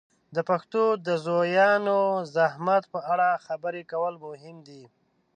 د پښتو د زویانو د زحمت په اړه خبرې کول مهم دي.